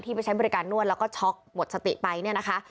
ไปใช้บริการนวดแล้วก็ช็อกหมดสติไปเนี่ยนะคะ